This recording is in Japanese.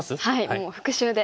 もう復習で。